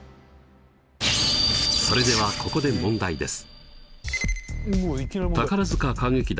それではここで問題です。